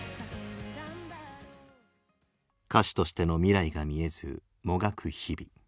歌手としての未来が見えずもがく日々。